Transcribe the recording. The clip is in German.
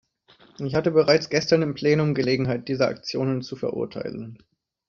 Ich hatte bereits gestern im Plenum Gelegenheit, diese Aktionen zu verurteilen.